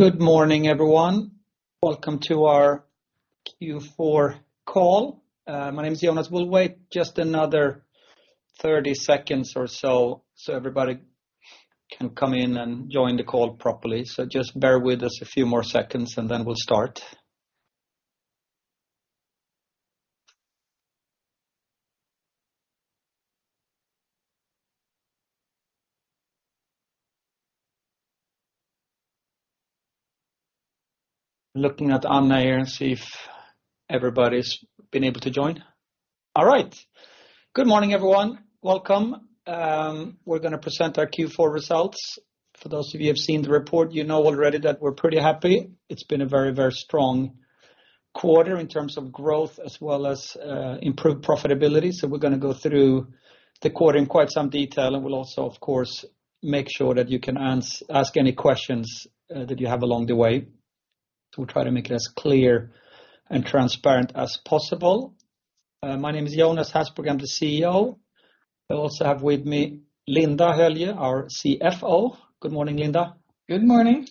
Good morning, everyone. Welcome to our Q4 call. My name is Jonas. We'll wait just another 30 seconds or so everybody can come in and join the call properly. Just bear with us a few more seconds and then we'll start. Looking at Anna here and see if everybody's been able to join. All right. Good morning, everyone. Welcome. We're gonna present our Q4 results. For those of you who have seen the report, you know already that we're pretty happy. It's been a very, very strong quarter in terms of growth as well as improved profitability. We're gonna go through the quarter in quite some detail, and we'll also, of course, make sure that you can ask any questions that you have along the way to try to make it as clear and transparent as possible. My name is Jonas Hasselberg, I'm the CEO. I also have with me Linda Höljö, our CFO. Good morning, Linda. Good morning.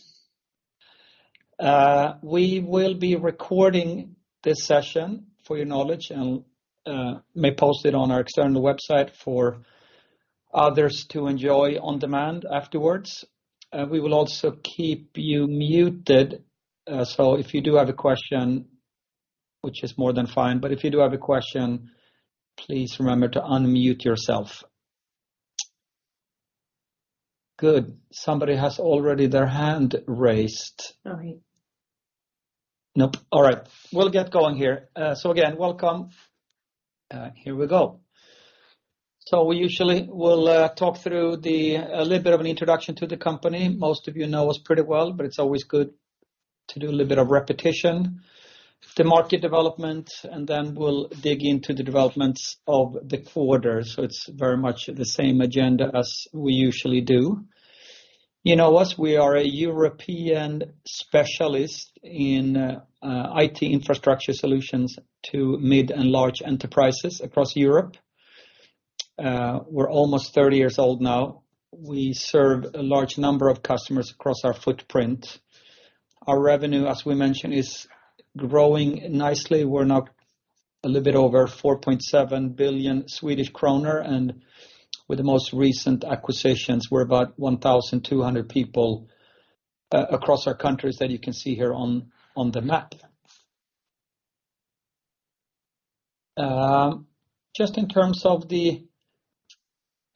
We will be recording this session for your knowledge, and may post it on our external website for others to enjoy on demand afterwards. We will also keep you muted. If you do have a question, which is more than fine, but if you do have a question, please remember to unmute yourself. Good. Somebody has already their hand raised. All right. Nope. All right. We'll get going here. Again, welcome. Here we go. We'll talk through a little bit of an introduction to the company. Most of you know us pretty well, but it's always good to do a little bit of repetition. The market development, then we'll dig into the developments of the quarter. It's very much the same agenda as we usually do. You know us, we are a European specialist in IT infrastructure solutions to mid and large enterprises across Europe. We're almost 30 years old now. We serve a large number of customers across our footprint. Our revenue, as we mentioned, is growing nicely. We're now a little bit over 4.7 billion Swedish kroner, and with the most recent acquisitions, we're about 1,200 people across our countries that you can see here on the map. Just in terms of the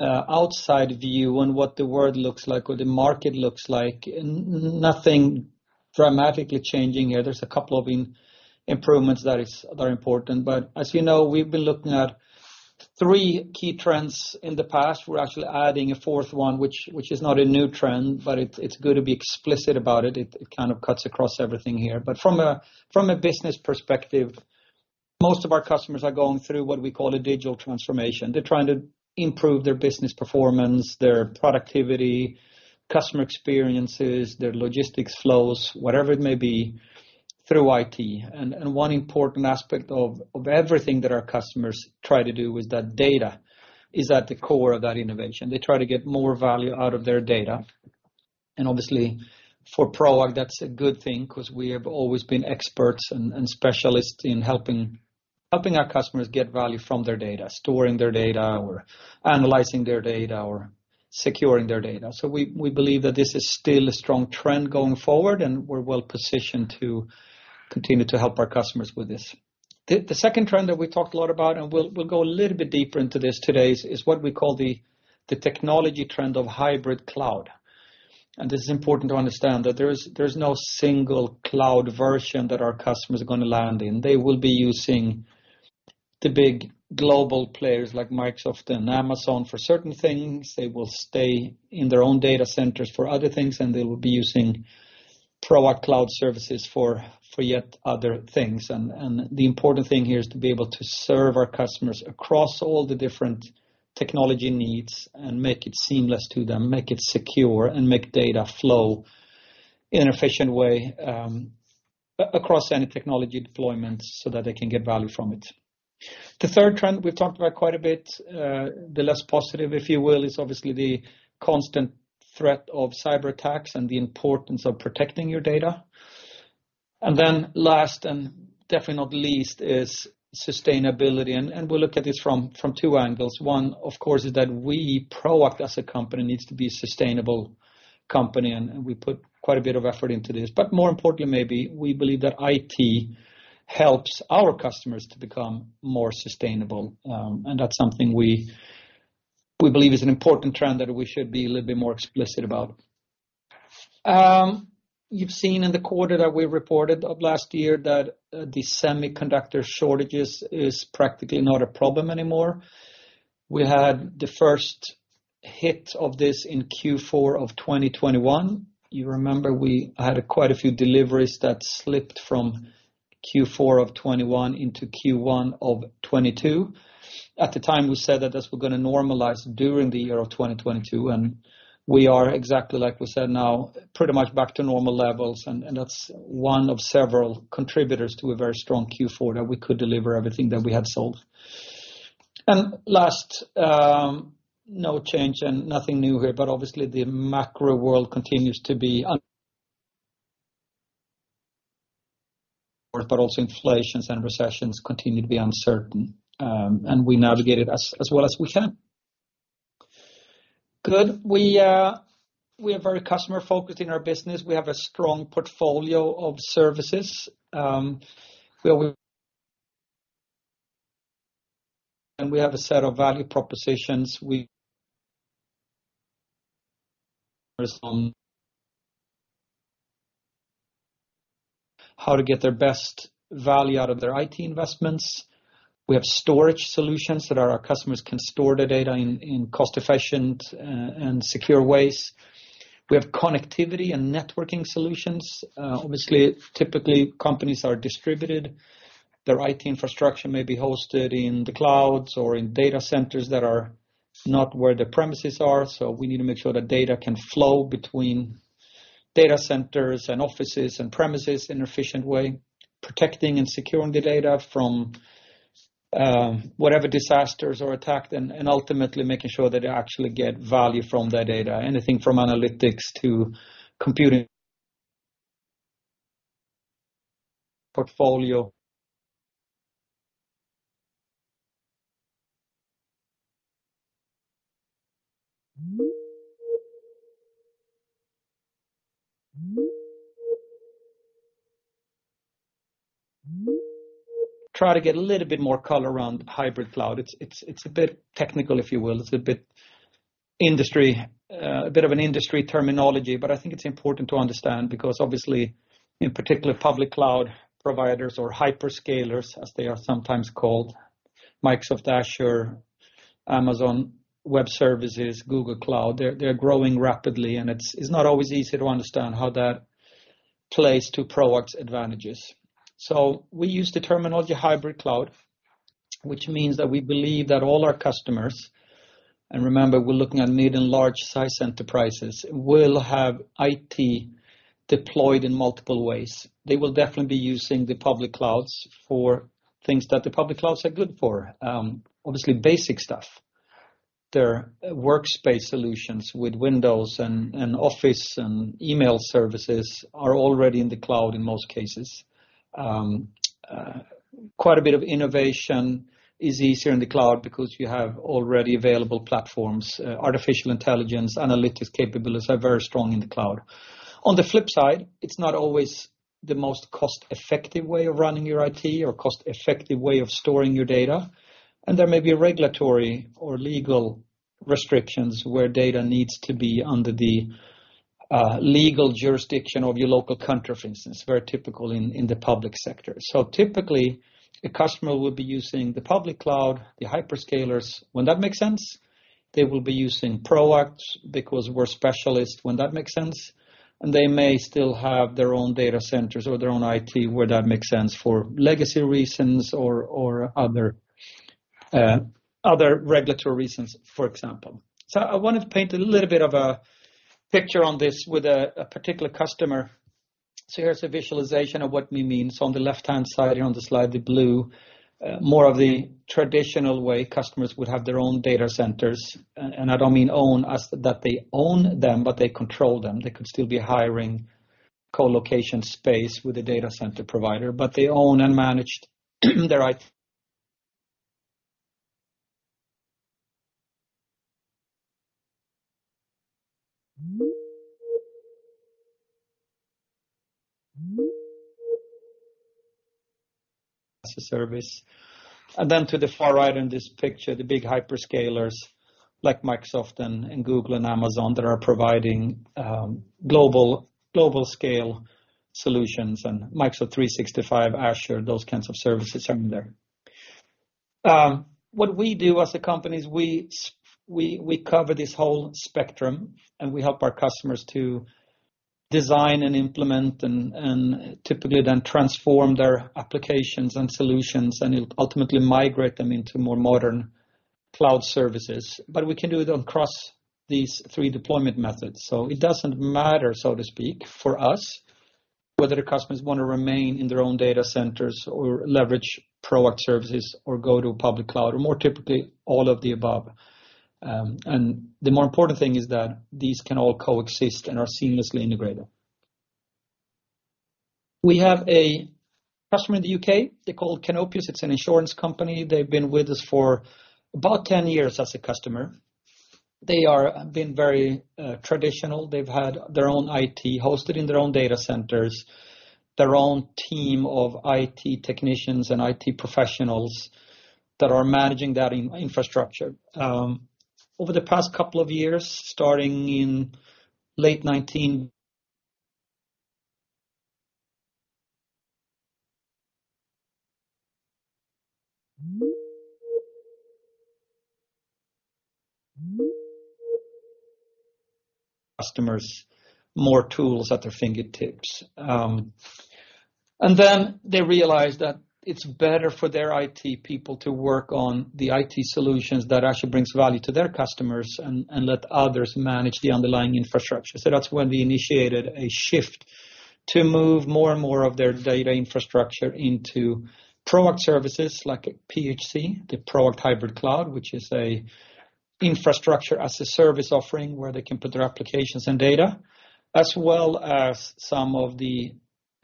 outside view on what the world looks like or the market looks like, nothing dramatically changing here. There's a couple of improvements that is very important. As you know, we've been looking at three key trends in the past. We're actually adding a fourth one, which is not a new trend, but it's good to be explicit about it. It kind of cuts across everything here. From a business perspective, most of our customers are going through what we call a digital transformation. They're trying to improve their business performance, their productivity, customer experiences, their logistics flows, whatever it may be through IT. One important aspect of everything that our customers try to do is that data is at the core of that innovation. They try to get more value out of their data. Obviously for Proact, that's a good thing 'cause we have always been experts and specialists in helping our customers get value from their data, storing their data or analyzing their data or securing their data. We believe that this is still a strong trend going forward, and we're well-positioned to continue to help our customers with this. The second trend that we talked a lot about, and we'll go a little bit deeper into this today, is what we call the technology trend of hybrid cloud. This is important to understand that there is no single cloud version that our customers are gonna land in. They will be using the big global players like Microsoft and Amazon for certain things. They will stay in their own data centers for other things, and they will be using Proact cloud services for yet other things. The important thing here is to be able to serve our customers across all the different technology needs and make it seamless to them, make it secure, and make data flow in an efficient way across any technology deployments so that they can get value from it. The third trend we've talked about quite a bit, the less positive, if you will, is obviously the constant threat of cyber attacks and the importance of protecting your data. Last, and definitely not least, is sustainability. We'll look at this from two angles. One, of course, is that we, Proact as a company, needs to be a sustainable company, we put quite a bit of effort into this. More importantly, maybe we believe that IT helps our customers to become more sustainable. That's something we believe is an important trend that we should be a little bit more explicit about. You've seen in the quarter that we reported of last year that the semiconductor shortages is practically not a problem anymore. We had the first hit of this in Q4 of 2021. You remember we had quite a few deliveries that slipped from Q4 of 2021 into Q1 of 2022. At the time, we said that this we're gonna normalize during the year of 2022, and we are exactly like we said now, pretty much back to normal levels, and that's one of several contributors to a very strong Q4 that we could deliver everything that we had sold. Last, no change and nothing new here, obviously the macro world continues to be. Inflations and recessions continue to be uncertain, and we navigate it as well as we can. Good. We, we are very customer-focused in our business. We have a strong portfolio of services. We have a set of value propositions how to get their best value out of their IT investments. We have storage solutions that our customers can store their data in cost-efficient and secure ways. We have connectivity and networking solutions. Obviously, typically companies are distributed. Their IT infrastructure may be hosted in the clouds or in data centers that are not where the premises are. We need to make sure that data can flow between data centers and offices and premises in an efficient way, protecting and securing the data from whatever disasters or attacked and ultimately making sure that they actually get value from their data, anything from analytics to computing... portfolio. Try to get a little bit more color around hybrid cloud. It's a bit technical, if you will. It's a bit industry, a bit of an industry terminology, but I think it's important to understand because obviously in particular public cloud providers or hyperscalers, as they are sometimes called, Microsoft Azure, Amazon Web Services, Google Cloud, they're growing rapidly, and it's not always easy to understand how that plays to Proact's advantages. We use the terminology hybrid cloud, which means that we believe that all our customers, and remember, we're looking at medium large size enterprises, will have IT deployed in multiple ways. They will definitely be using the public clouds for things that the public clouds are good for, obviously basic stuff. Their workspace solutions with Windows and Office and email services are already in the cloud in most cases. Quite a bit of innovation is easier in the cloud because you have already available platforms. Artificial intelligence, analytics capabilities are very strong in the cloud. On the flip side, it's not always the most cost-effective way of running your IT or cost-effective way of storing your data. There may be regulatory or legal restrictions where data needs to be under the legal jurisdiction of your local country, for instance, very typical in the public sector. Typically, a customer will be using the public cloud, the hyperscalers, when that makes sense. They will be using Proact because we're specialists when that makes sense. They may still have their own data centers or their own IT where that makes sense for legacy reasons or other regulatory reasons, for example. I wanted to paint a little bit of a picture on this with a particular customer. Here's a visualization of what we mean. On the left-hand side here on the slide, the blue, more of the traditional way customers would have their own data centers. I don't mean own as that they own them, but they control them. They could still be hiring colocation space with a data center provider, but they own and manage their IT as a service. To the far right in this picture, the big hyperscalers like Microsoft and Google and Amazon that are providing, global scale solutions and Microsoft 365, Azure, those kinds of services in there. What we do as a company is we cover this whole spectrum, and we help our customers to design and implement and typically then transform their applications and solutions and ultimately migrate them into more modern cloud services. We can do it across these three deployment methods. It doesn't matter, so to speak, for us whether the customers wanna remain in their own data centers or leverage Proact services or go to a public cloud or more typically all of the above. The more important thing is that these can all coexist and are seamlessly integrated. We have a customer in the U.K. They're called Canopius. It's an insurance company. They've been with us for about 10 years as a customer. They are been very traditional. They've had their own IT hosted in their own data centers, their own team of IT technicians and IT professionals that are managing that in-infrastructure. Over the past couple of years, starting in late 19... customers more tools at their fingertips. They realized that it's better for their IT people to work on the IT solutions that actually brings value to their customers and let others manage the underlying infrastructure. That's when we initiated a shift to move more and more of their data infrastructure into Proact services like a PHC, the Proact Hybrid Cloud, which is a Infrastructure as a Service offering where they can put their applications and data, As well as some of the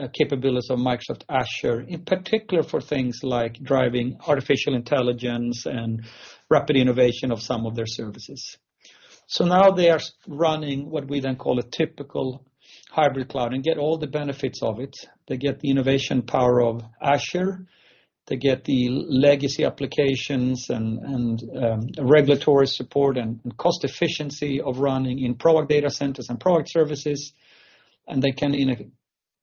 capabilities of Microsoft Azure, in particular for things like driving artificial intelligence and rapid innovation of some of their services. Now they are running what we then call a typical hybrid cloud and get all the benefits of it. They get the innovation power of Azure. They get the legacy applications and regulatory support and cost efficiency of running in Proact data centers and Proact services. They can in a,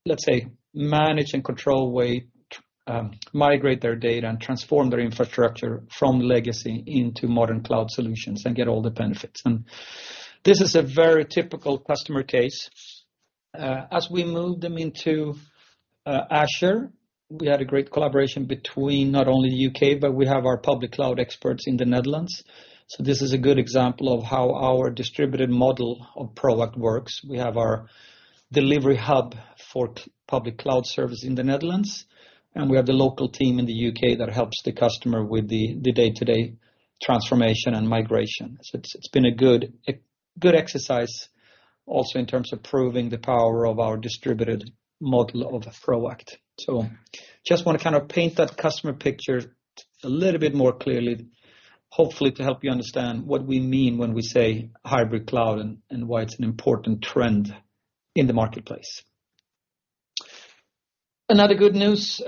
let's say, manage and control way, migrate their data and transform their infrastructure from legacy into modern cloud solutions and get all the benefits. This is a very typical customer case. As we move them into Azure, we had a great collaboration between not only U.K., but we have our public cloud experts in the Netherlands. This is a good example of how our distributed model of Proact works. We have our delivery hub for public cloud service in the Netherlands, and we have the local team in the U.K. that helps the customer with the day-to-day transformation and migration. It's been a good exercise also in terms of proving the power of our distributed model of Proact. Just wanna kind of paint that customer picture a little bit more clearly, hopefully to help you understand what we mean when we say hybrid cloud and why it's an important trend in the marketplace. Another good news,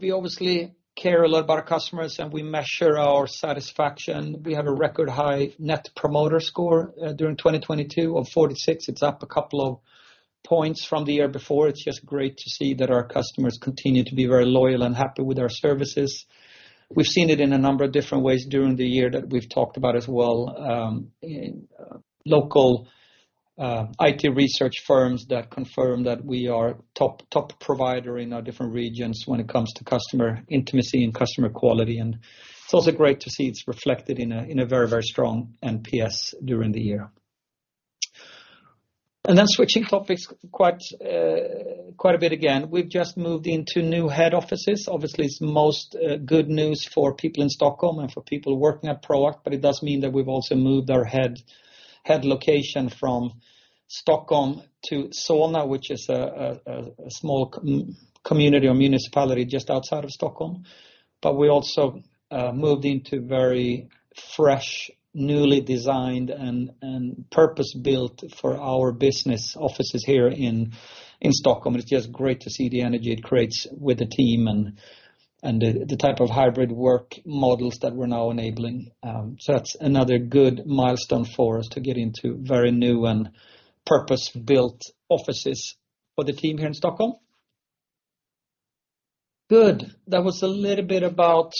we obviously care a lot about our customers, and we measure our satisfaction. We have a record high Net Promoter Score during 2022 of 46. It's up a couple of points from the year before. It's just great to see that our customers continue to be very loyal and happy with our services. We've seen it in a number of different ways during the year that we've talked about as well, in local IT research firms that confirm that we are top provider in our different regions when it comes to customer intimacy and customer quality. It's also great to see it's reflected in a very, very strong NPS during the year. Then switching topics quite a bit again. We've just moved into new head offices. Obviously, it's most good news for people in Stockholm and for people working at Proact, but it does mean that we've also moved our head location from Stockholm to Solna, which is a small c-community or municipality just outside of Stockholm. We also moved into very fresh, newly designed and purpose-built for our business offices here in Stockholm. It's just great to see the energy it creates with the team and the type of hybrid work models that we're now enabling. That's another good milestone for us to get into very new and purpose-built offices for the team here in Stockholm. Good. That was a little bit about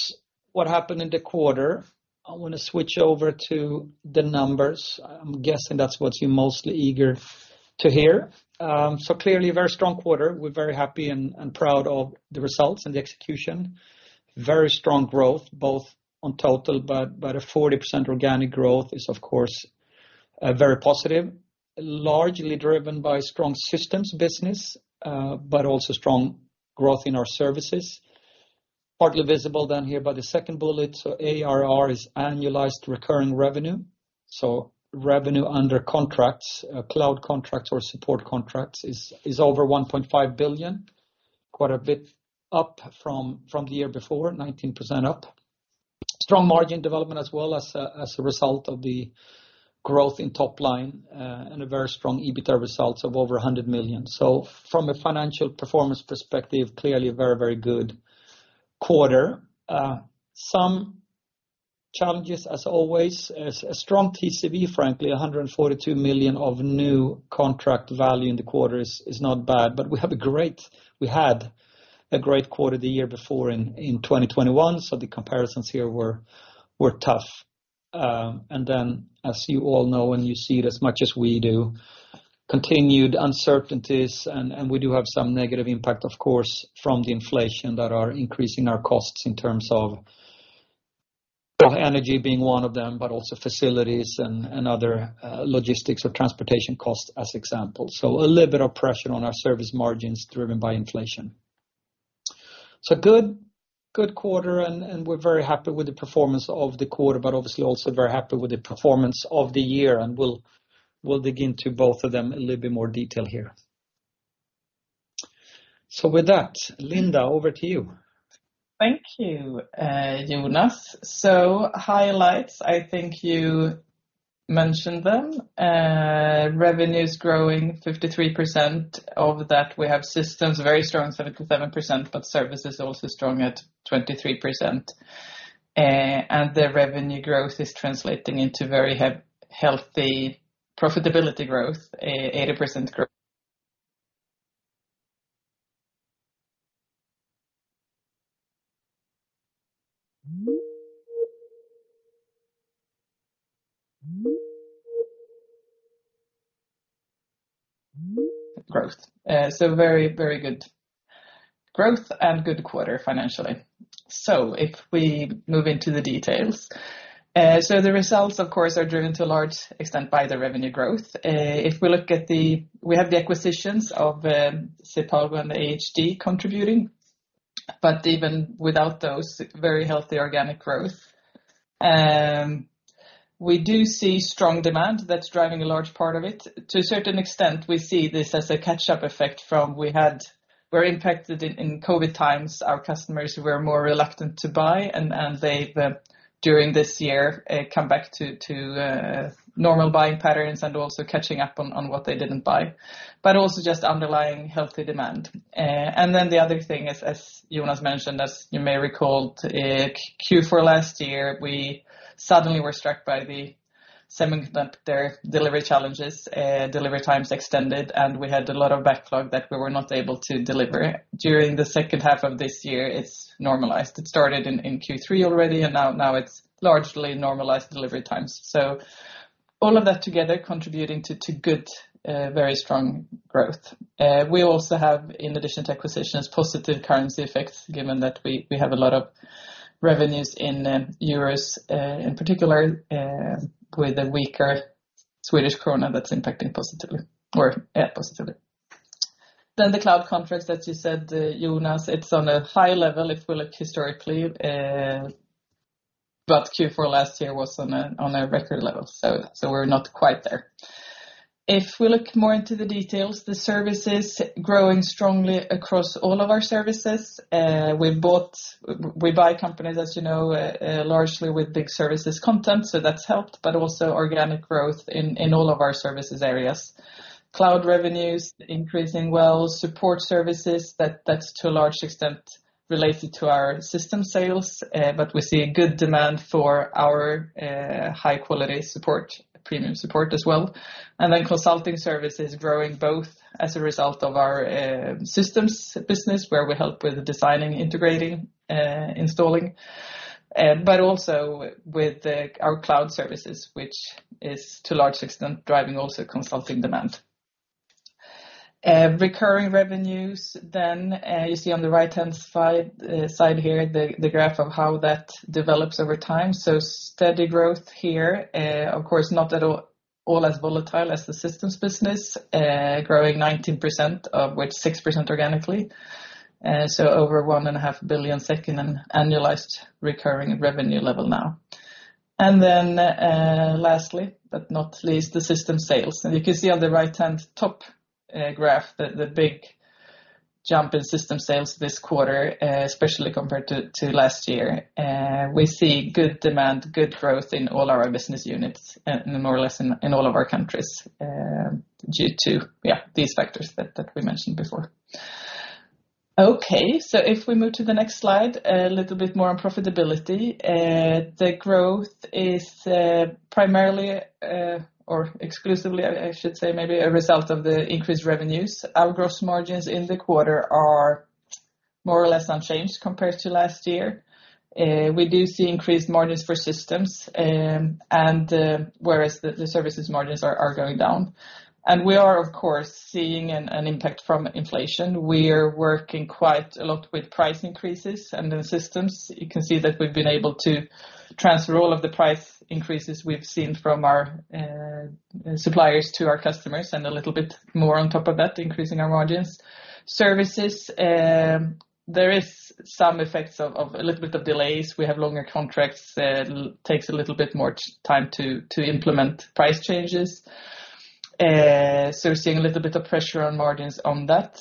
what happened in the quarter. I wanna switch over to the numbers. I'm guessing that's what you're mostly eager to hear. Clearly a very strong quarter. We're very happy and proud of the results and the execution. Very strong growth, both on total, but about a 40% organic growth is, of course, very positive. Largely driven by strong systems business, but also strong growth in our services. Partly visible down here by the second bullet. ARR is annualized recurring revenue. Revenue under contracts, cloud contracts or support contracts is over 1.5 billion, quite a bit up from the year before, 19% up. Strong margin development as well as a result of the growth in top line, and a very strong EBITA results of over 100 million. From a financial performance perspective, clearly a very, very good quarter. Some challenges as always. A strong TCV, frankly, 142 million of new contract value in the quarter is not bad. We had a great quarter the year before in 2021, so the comparisons here were tough. As you all know, and you see it as much as we do, continued uncertainties and we do have some negative impact, of course, from the inflation that are increasing our costs in terms of energy being one of them, but also facilities and other logistics or transportation costs as examples. A little bit of pressure on our service margins driven by inflation. Good quarter and we're very happy with the performance of the quarter, but obviously also very happy with the performance of the year, and we'll dig into both of them a little bit more detail here. With that, Linda, over to you. Thank you, Jonas. Highlights, I think you mentioned them. Revenues growing 53%. Of that, we have systems very strong, 77%, but service is also strong at 23%. The revenue growth is translating into very healthy profitability growth, 80% growth. Very, very good growth and good quarter financially. If we move into the details. The results, of course, are driven to a large extent by the revenue growth. If we look at the-- We have the acquisitions of sepago and ahd contributing, but even without those, very healthy organic growth. We do see strong demand that's driving a large part of it. To a certain extent, we see this as a catch-up effect from We're impacted in COVID times, our customers were more reluctant to buy, and they, during this year, come back to normal buying patterns and also catching up on what they didn't buy. Also just underlying healthy demand. The other thing is, as Jonas mentioned, as you may recall, Q4 last year, we suddenly were struck by the semiconductor delivery challenges, delivery times extended, and we had a lot of backlog that we were not able to deliver. During the second half of this year, it's normalized. It started in Q3 already, and now it's largely normalized delivery times. All of that together contributing to good, very strong growth. We also have, in addition to acquisitions, positive currency effects, given that we have a lot of revenues in euros in particular with a weaker Swedish krona that's impacting positively or, yeah, positively. The cloud contracts that you said, Jonas, it's on a high level if we look historically, but Q4 last year was on a record level, so we're not quite there. If we look more into the details, the services growing strongly across all of our services. We buy companies, as you know, largely with big services content, so that's helped, but also organic growth in all of our services areas. Cloud revenues increasing well. Support services, that's to a large extent related to our system sales, but we see a good demand for our high quality support, premium support as well. Consulting services growing both as a result of our systems business, where we help with designing, integrating, installing, but also with our cloud services, which is to a large extent driving also consulting demand. Recurring revenues, then, you see on the right-hand side here, the graph of how that develops over time. Steady growth here, of course, not at all as volatile as the systems business, growing 19%, of which 6% organically, so over 1.5 billion and annualized recurring revenue level now. Lastly, but not least, the system sales. You can see on the right-hand top graph the big jump in system sales this quarter, especially compared to last year. We see good demand, good growth in all our business units, more or less in all of our countries, due to these factors that we mentioned before. If we move to the next slide, a little bit more on profitability. The growth is primarily, or exclusively, I should say, maybe a result of the increased revenues. Our gross margins in the quarter are more or less unchanged compared to last year. We do see increased margins for systems, and whereas the services margins are going down. We are, of course, seeing an impact from inflation. We are working quite a lot with price increases and the systems. You can see that we've been able to transfer all of the price increases we've seen from our suppliers to our customers and a little bit more on top of that, increasing our margins. Services, there is some effects of a little bit of delays. We have longer contracts. Takes a little bit more time to implement price changes. We're seeing a little bit of pressure on margins on that.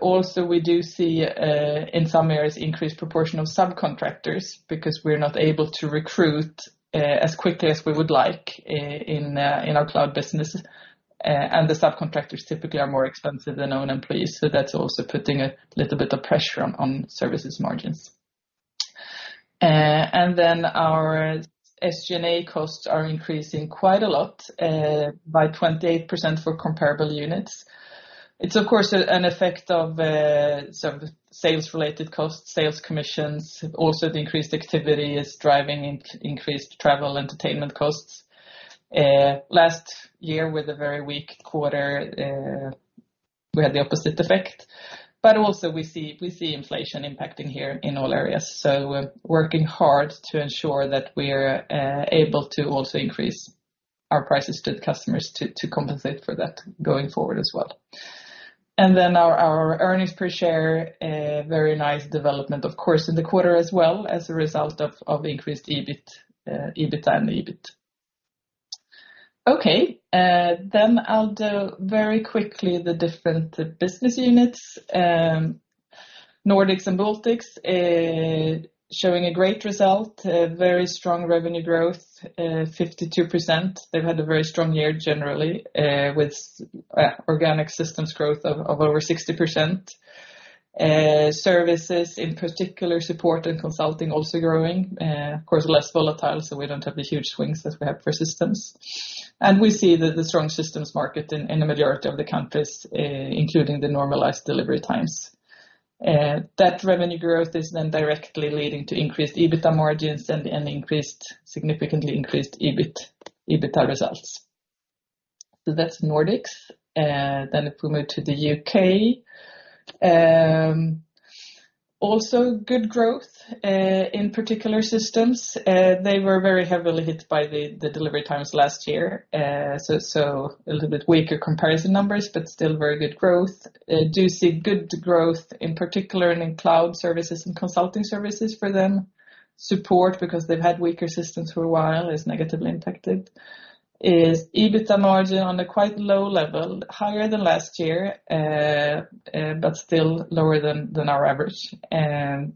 Also, we do see in some areas, increased proportion of subcontractors because we're not able to recruit as quickly as we would like in our cloud business, and the subcontractors typically are more expensive than our own employees, that's also putting a little bit of pressure on services margins. Our SG&A costs are increasing quite a lot, by 28% for comparable units. It's of course an effect of some sales related costs, sales commissions. The increased activity is driving increased travel entertainment costs. Last year, with a very weak quarter, we had the opposite effect. Also we see inflation impacting here in all areas. We're working hard to ensure that we're able to also increase our prices to the customers to compensate for that going forward as well. Our earnings per share, very nice development, of course, in the quarter as well as a result of increased EBIT, EBITDA and EBIT. Okay. I'll do very quickly the different business units. Nordics and Baltics showing a great result, very strong revenue growth, 52%. They've had a very strong year generally, with organic systems growth of over 60%. Services in particular, support and consulting also growing. Of course, less volatile, so we don't have the huge swings as we have for systems. We see the strong systems market in the majority of the countries, including the normalized delivery times. That revenue growth is then directly leading to increased EBITDA margins and increased, significantly increased EBIT, EBITDA results. So that's Nordics. If we move to the UK, also good growth, in particular systems. They were very heavily hit by the delivery times last year. So a little bit weaker comparison numbers, but still very good growth. Do see good growth, in particular in cloud services and consulting services for them. Support because they've had weaker systems for a while is negatively impacted. Is EBITDA margin on a quite low level, higher than last year, but still lower than our average.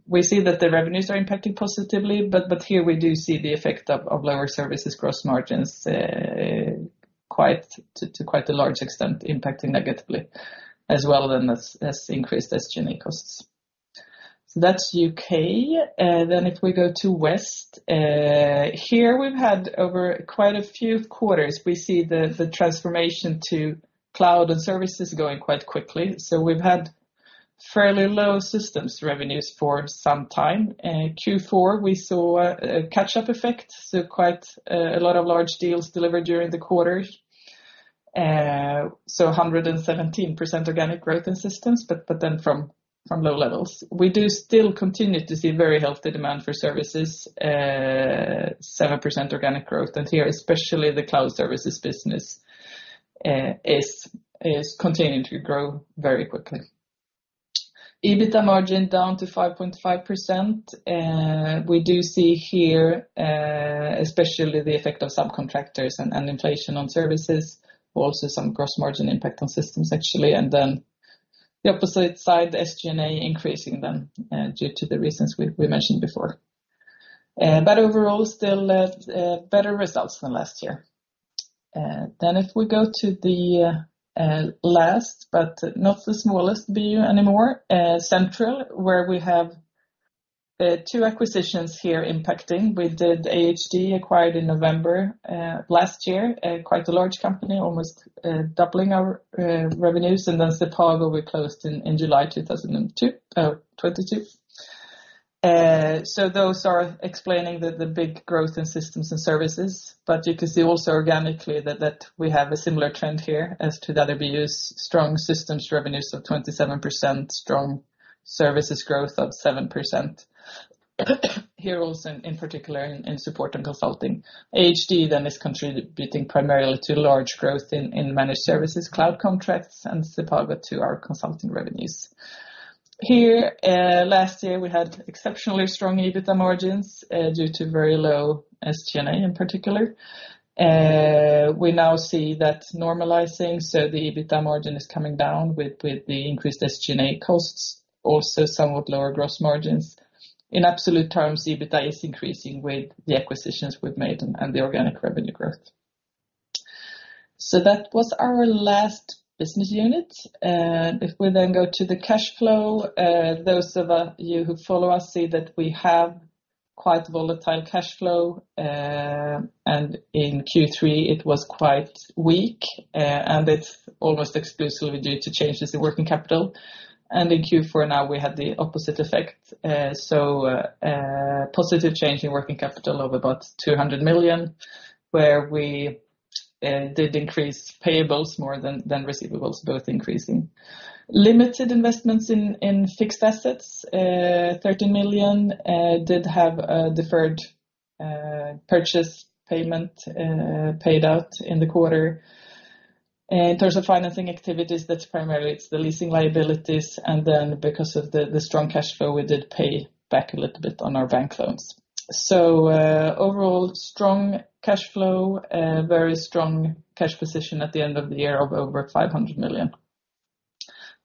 We see that the revenues are impacting positively, but here we do see the effect of lower services gross margins to quite a large extent impacting negatively as well as increased SG&A costs. That's UK. If we go to West, here we've had over quite a few quarters, we see the transformation to cloud and services going quite quickly. We've had fairly low systems revenues for some time. Q4, we saw a catch-up effect, so quite a lot of large deals delivered during the quarter. 117% organic growth in systems, but then from low levels. We do still continue to see very healthy demand for services, 7% organic growth. Here, especially the cloud services business, is continuing to grow very quickly. EBITDA margin down to 5.5%. We do see here, especially the effect of subcontractors and inflation on services, but also some gross margin impact on systems, actually. The opposite side, the SG&A increasing then, due to the reasons we mentioned before. Overall, still, better results than last year. If we go to the last, but not the smallest BU anymore, Central, where we have two acquisitions here impacting. We did ahd acquired in November last year, quite a large company, almost doubling our revenues. sepago we closed in July 2022. Those are explaining the big growth in systems and services. You can see also organically that we have a similar trend here as to the other BUs, strong systems revenues of 27%, strong services growth of 7%. Here also in particular in support and consulting. ahd then is contributing primarily to large growth in managed services, cloud contracts, and sepago to our consulting revenues. Here, last year, we had exceptionally strong EBITDA margins due to very low SG&A in particular. We now see that normalizing, so the EBITDA margin is coming down with the increased SG&A costs, also somewhat lower gross margins. In absolute terms, EBITDA is increasing with the acquisitions we've made and the organic revenue growth. That was our last business unit. If we go to the cash flow, those of you who follow us see that we have quite volatile cash flow. In Q3 it was quite weak, and it's almost exclusively due to changes in working capital. In Q4 now we had the opposite effect. Positive change in working capital of about 200 million, where we did increase payables more than receivables, both increasing. Limited investments in fixed assets, 30 million, did have a deferred purchase payment paid out in the quarter. In terms of financing activities, that's primarily it's the leasing liabilities, because of the strong cash flow, we did pay back a little bit on our bank loans. Overall, strong cash flow, a very strong cash position at the end of the year of over 500 million.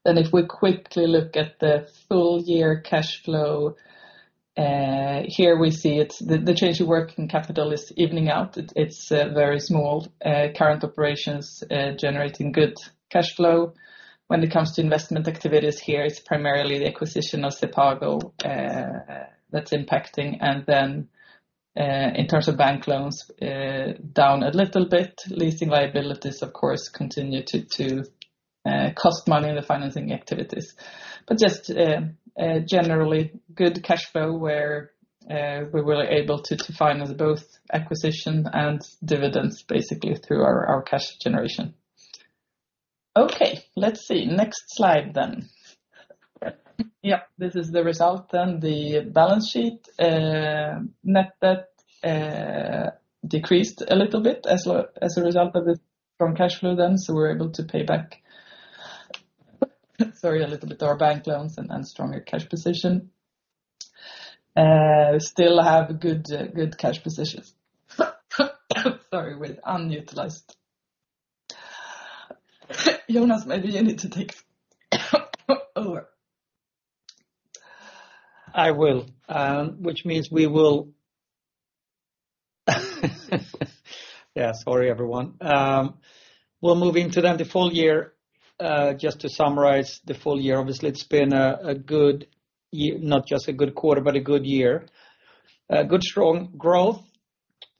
If we quickly look at the full year cash flow, here we see it's the change in working capital is evening out. It's very small. Current operations, generating good cash flow. When it comes to investment activities here, it's primarily the acquisition of sepago, that's impacting. In terms of bank loans, down a little bit. Leasing liabilities, of course, continue to cost money in the financing activities. Just generally good cash flow where we were able to finance both acquisition and dividends basically through our cash generation. Okay, let's see. Next slide then. Yeah, this is the result then, the balance sheet. Net debt decreased a little bit as a result of the strong cash flow then, we're able to pay back, sorry, a little bit of our bank loans and then stronger cash position. Still have good cash position sorry, with unutilized. Jonas, maybe you need to take over. I will. Which means we'll move into the full year. Just to summarize the full year, obviously, it's been a good year, not just a good quarter, but a good year. Good strong growth,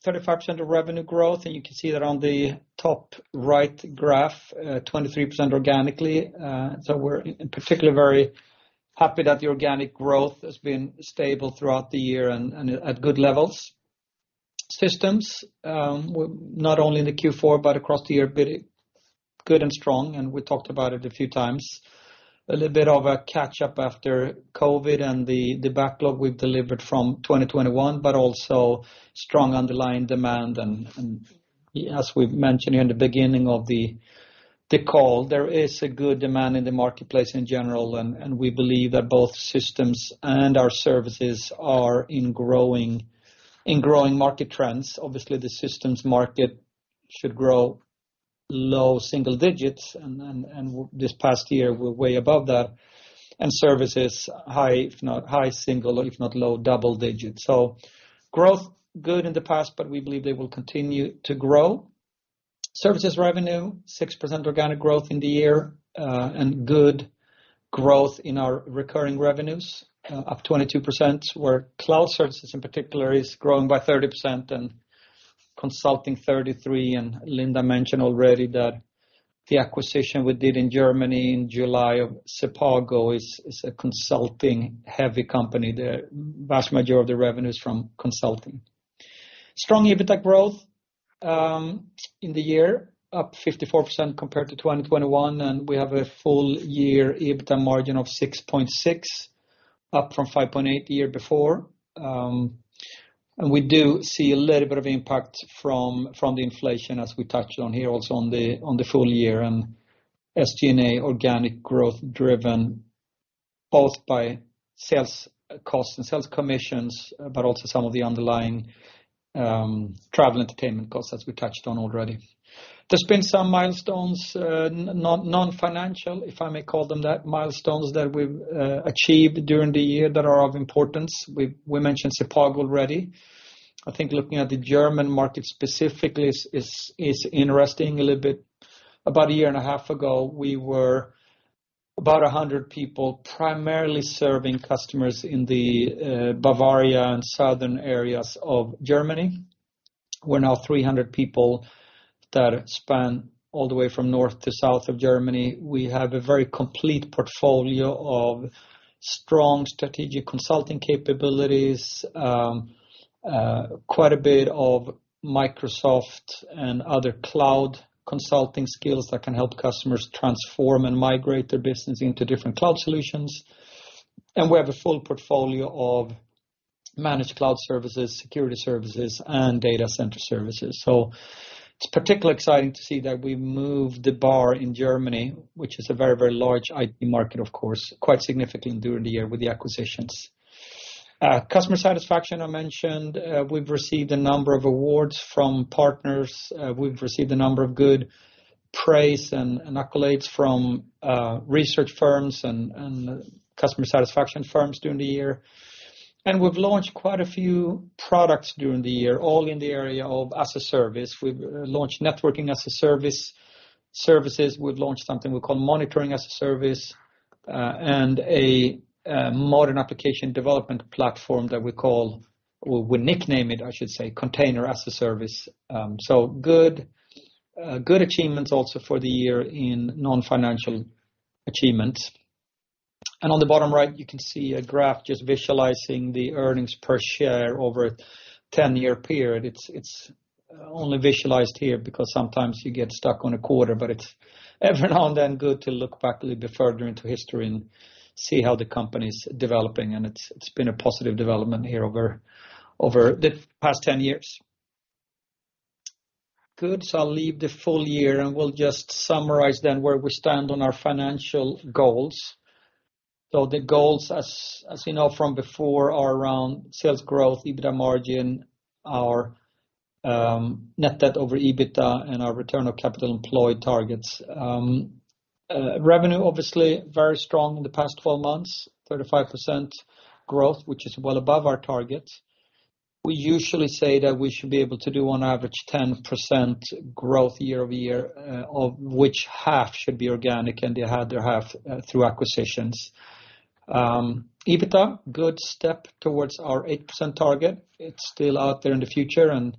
35% of revenue growth. You can see that on the top right graph, 23% organically. We're in particular very happy that the organic growth has been stable throughout the year and at good levels. Systems, not only in the Q4 but across the year, pretty good and strong, and we talked about it a few times. A little bit of a catch-up after COVID and the backlog we've delivered from 2021, also strong underlying demand. As we've mentioned here in the beginning of the call, there is a good demand in the marketplace in general, and we believe that both systems and our services are in growing market trends. Obviously, the systems market should grow low single digits, and this past year we're way above that. Services high, if not high single or if not low double digits. Growth good in the past, but we believe they will continue to grow. Services revenue, 6% organic growth in the year, and good growth in our recurring revenues, up 22%, where cloud services in particular is growing by 30% and consulting 33%. Linda Höljö mentioned already that the acquisition we did in Germany in July of sepago is a consulting-heavy company. The vast majority of the revenue is from consulting. Strong EBITDA growth in the year, up 54% compared to 2021, and we have a full year EBITDA margin of 6.6, up from 5.8 the year before. We do see a little bit of impact from the inflation as we touched on here also on the full year. SG&A organic growth driven both by sales costs and sales commissions, but also some of the underlying travel entertainment costs, as we touched on already. There's been some milestones, non-financial, if I may call them that, milestones that we've achieved during the year that are of importance. We mentioned sepago already. I think looking at the German market specifically is interesting a little bit. About a year and a half ago, we were about 100 people, primarily serving customers in the Bavaria and southern areas of Germany. We're now 300 people that span all the way from north to south of Germany. We have a very complete portfolio of strong strategic consulting capabilities, quite a bit of Microsoft and other cloud consulting skills that can help customers transform and migrate their business into different cloud solutions. We have a full portfolio of managed cloud services, security services, and data center services. It's particularly exciting to see that we moved the bar in Germany, which is a very, very large IT market, of course, quite significantly during the year with the acquisitions. Customer satisfaction I mentioned. We've received a number of awards from partners. We've received a number of good praise and accolades from research firms and customer satisfaction firms during the year. We've launched quite a few products during the year, all in the area of as a service. We've launched networking as a service. We've launched something we call monitoring as a service, and a modern application development platform that we call, or we nickname it, I should say, Container as a Service. Good achievements also for the year in non-financial achievements. On the bottom right, you can see a graph just visualizing the earnings per share over a 10-year period. It's only visualized here because sometimes you get stuck on a quarter, but it's every now and then good to look back a little bit further into history and see how the company's developing, and it's been a positive development here over the past 10 years. Good. I'll leave the full year, and we'll just summarize then where we stand on our financial goals. The goals, as you know from before, are around sales growth, EBITDA margin, our net debt to EBITDA, and our return on capital employed targets. Revenue, obviously very strong in the past 12 months, 35% growth, which is well above our target. We usually say that we should be able to do on average 10% growth year-over-year, of which half should be organic and the other half through acquisitions. EBITDA, good step towards our 8% target. It's still out there in the future, and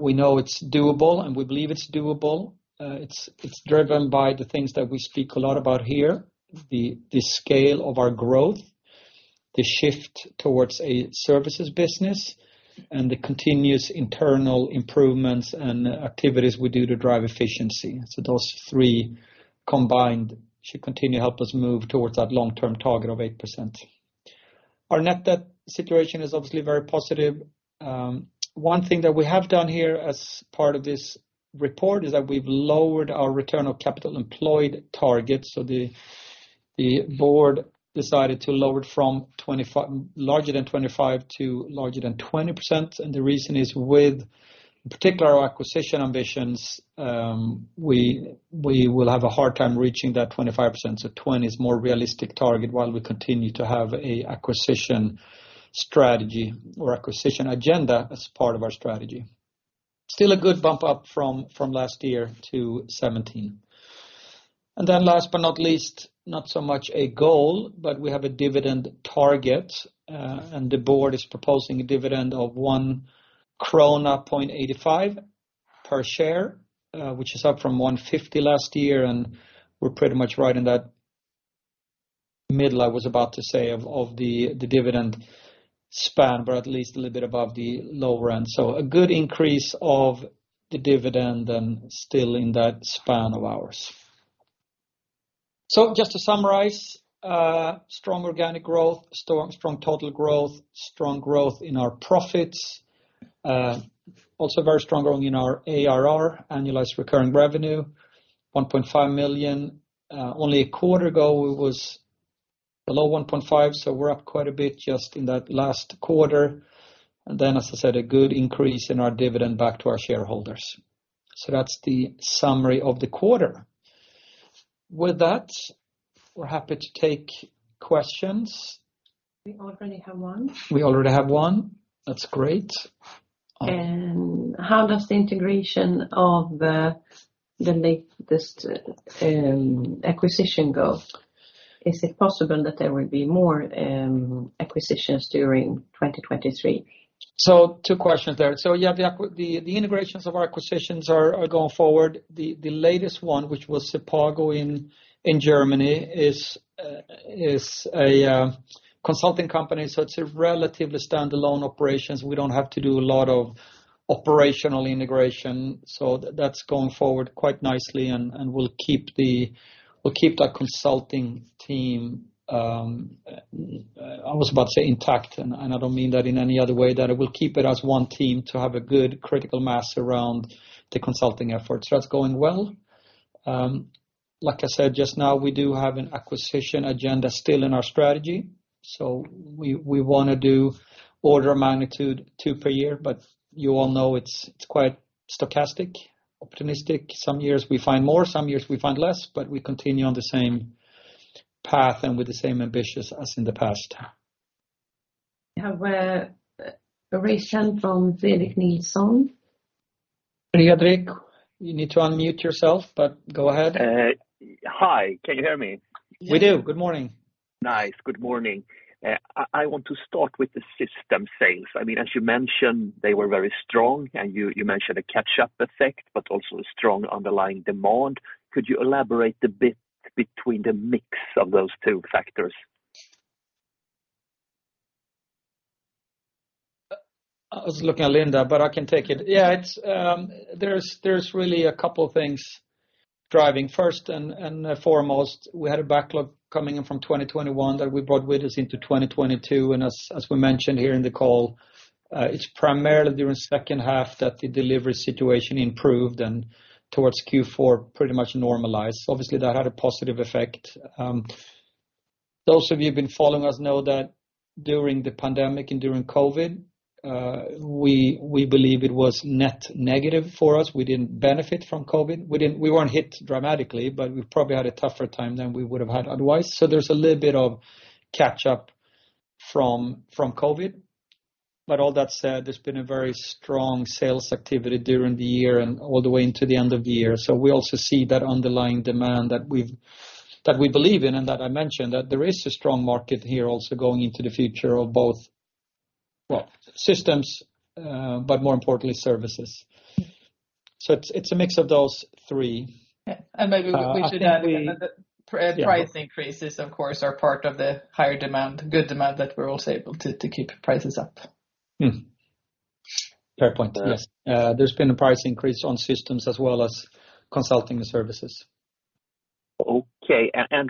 we know it's doable, and we believe it's doable. It's driven by the things that we speak a lot about here, the scale of our growth, the shift towards a services business, and the continuous internal improvements and activities we do to drive efficiency. Those three combined should continue to help us move towards that long-term target of 8%. Our net debt situation is obviously very positive. One thing that we have done here as part of this report is that we've lowered our return on capital employed target. The board decided to lower it from larger than 25 to larger than 20%. The reason is with particular acquisition ambitions, we will have a hard time reaching that 25%. 20 is more realistic target while we continue to have a acquisition strategy or acquisition agenda as part of our strategy. Still a good bump up from last year to 17. Last but not least, not so much a goal, but we have a dividend target, and the board is proposing a dividend of 1.85 krona. Per share, which is up from 1.50 last year, and we're pretty much right in that middle, I was about to say, of the dividend span, but at least a little bit above the lower end. A good increase of the dividend and still in that span of ours. Just to summarize, strong organic growth, strong total growth, strong growth in our profits. Also very strong growing in our ARR, annualized recurring revenue, 1.5 million. Only a quarter ago, it was below 1.5, so we're up quite a bit just in that last quarter. As I said, a good increase in our dividend back to our shareholders. That's the summary of the quarter. With that, we're happy to take questions. We already have one. We already have one. That's great. How does the integration of the latest acquisition go? Is it possible that there will be more acquisitions during 2023? 2 questions there. The integrations of our acquisitions are going forward. The latest one, which was sepago in Germany, is a consulting company, so it's a relatively standalone operations. We don't have to do a lot of operational integration. That's going forward quite nicely, and we'll keep that consulting team, I was about to say intact, and I don't mean that in any other way, that it will keep it as 1 team to have a good critical mass around the consulting efforts. That's going well. Like I said, just now, we do have an acquisition agenda still in our strategy. We wanna do order of magnitude 2 per year, but you all know it's quite stochastic, optimistic. Some years we find more, some years we find less. We continue on the same path and with the same ambitious as in the past. We have a question from Fredrik Nilsson. Fredrik, you need to unmute yourself, but go ahead. Hi, can you hear me? We do. Good morning. Nice. Good morning. I want to start with the system sales. I mean, as you mentioned, they were very strong. You mentioned a catch-up effect but also a strong underlying demand. Could you elaborate a bit between the mix of those two factors? I was looking at Linda Höljö, but I can take it. Yeah, it's. There's really a couple of things driving. First and foremost, we had a backlog coming in from 2021 that we brought with us into 2022. As we mentioned here in the call, it's primarily during second half that the delivery situation improved, and towards Q4, pretty much normalized. Obviously, that had a positive effect. Those of you who've been following us know that during the pandemic and during COVID, we believe it was net negative for us. We didn't benefit from COVID. We weren't hit dramatically, but we probably had a tougher time than we would have had otherwise. There's a little bit of catch up from COVID. All that said, there's been a very strong sales activity during the year and all the way into the end of the year. We also see that underlying demand that we believe in and that I mentioned, that there is a strong market here also going into the future of both, well, systems, but more importantly, services. It's, it's a mix of those three. Yeah. Maybe we should add that the price increases, of course, are part of the higher demand, good demand that we're also able to keep prices up. Mm-hmm. Fair point. Yes. There's been a price increase on systems as well as consulting services. Okay.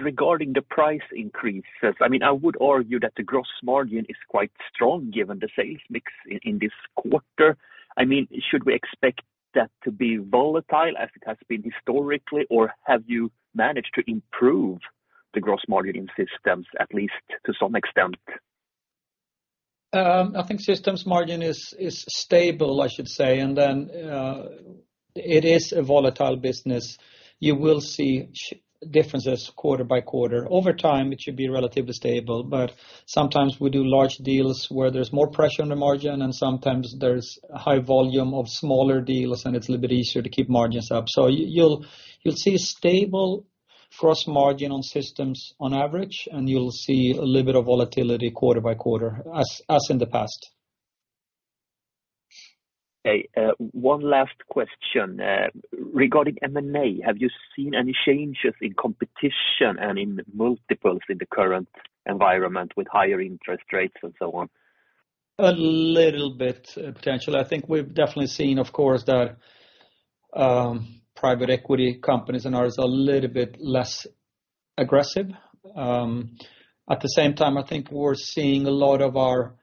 Regarding the price increases, I mean, I would argue that the gross margin is quite strong given the sales mix in this quarter. I mean, should we expect that to be volatile as it has been historically, or have you managed to improve the gross margin in systems, at least to some extent? I think systems margin is stable, I should say. It is a volatile business. You will see differences quarter by quarter. Over time, it should be relatively stable. Sometimes we do large deals where there's more pressure on the margin, and sometimes there's a high volume of smaller deals, and it's a little bit easier to keep margins up. You'll see stable cross margin on systems on average, and you'll see a little bit of volatility quarter by quarter as in the past. Okay. One last question. Regarding M&A, have you seen any changes in competition and in multiples in the current environment with higher interest rates and so on? A little bit, potentially. I think we've definitely seen, of course, that private equity companies and others are a little bit less aggressive. At the same time, I think we're seeing a lot of our,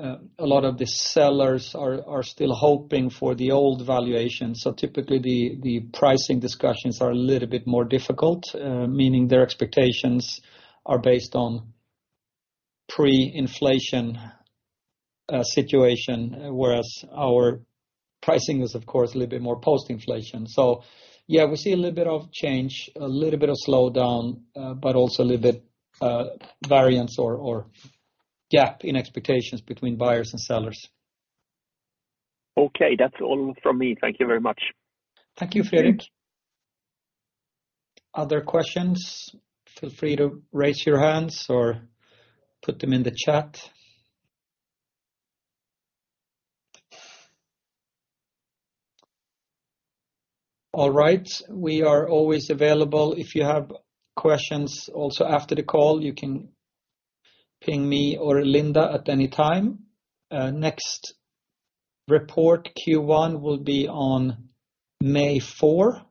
a lot of the sellers are still hoping for the old valuation. Typically, the pricing discussions are a little bit more difficult, meaning their expectations are based on pre-inflation situation, whereas our pricing is, of course, a little bit more post-inflation. Yeah, we see a little bit of change, a little bit of slowdown, but also a little bit, variance or gap in expectations between buyers and sellers. Okay. That's all from me. Thank you very much. Thank you, Fredrik. Other questions, feel free to raise your hands or put them in the chat. All right. We are always available. If you have questions also after the call, you can ping me or Linda at any time. Next report, Q1, will be on May 4.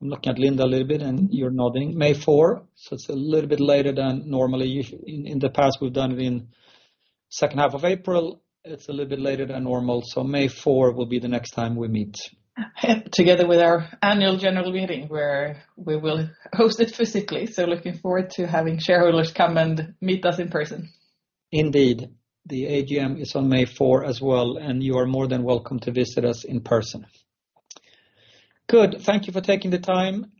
I'm looking at Linda a little bit, and you're nodding. May 4. It's a little bit later than normally. In the past, we've done it in second half of April. It's a little bit later than normal. May 4 will be the next time we meet. Together with our annual general meeting where we will host it physically. Looking forward to having shareholders come and meet us in person. Indeed. The AGM is on May 4 as well, you are more than welcome to visit us in person. Good. Thank you for taking the time.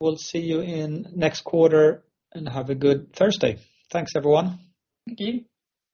We'll see you in next quarter, have a good Thursday. Thanks, everyone. Thank you.